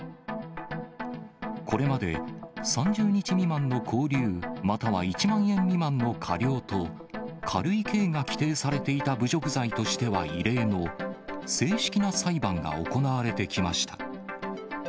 これまで、３０日未満の拘留、または１万円未満の科料と、軽い刑が規定されていた侮辱罪としては異例の、正式な裁判が行われてきました。